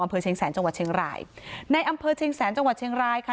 อำเภอเชียงแสนจังหวัดเชียงรายในอำเภอเชียงแสนจังหวัดเชียงรายค่ะ